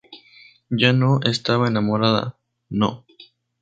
yo no estaba enamorada. no.